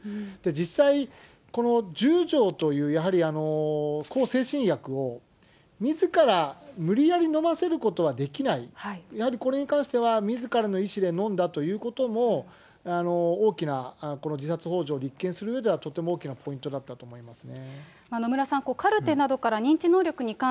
実際、この１０錠という、やはり向精神薬を、みずから、無理やり飲ませることはできない、やはりこれに関しては、みずからの意思で飲んだということも、大きなこの自殺ほう助を立件するうえではとても大きなポイントだ野村さん、ないわけですね。